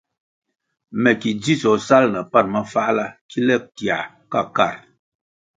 Me ki dzisoh sal na pan mafáhla kile tiãh ka kar.